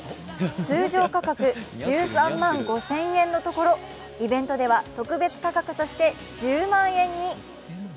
通常価格１３万５０００円のところ、イベントでは特別価格として１０万円に。